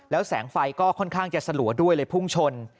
แล้วแสงไฟก็ค่อนข้างจะสลัวด้วยเลยพุ่งชน